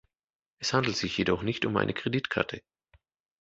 Es handelt sich jedoch nicht um eine Kreditkarte.